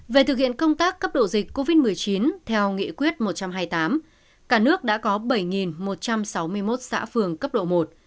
về thực hiện công tác cấp độ dịch covid một mươi chín theo nghị quyết một trăm hai mươi tám cả nước đã có bảy một trăm sáu mươi một xã phường cấp độ một sáu mươi bảy năm